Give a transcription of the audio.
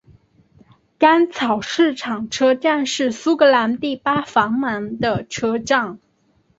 干草市场车站是苏格兰第八繁忙的车站。